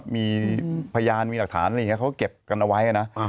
มีพยานมีหลักฐานอะไรอย่างนี้เขาก็เก็บกันเอาไว้นะ